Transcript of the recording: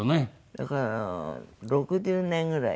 だから１９６０年ぐらい。